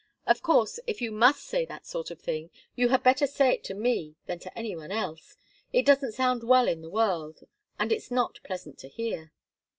"Of course, if you must say that sort of thing, you had better say it to me than to any one else. It doesn't sound well in the world and it's not pleasant to hear."